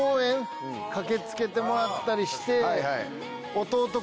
駆け付けてもらったりして。